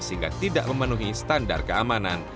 sehingga tidak memenuhi standar keamanan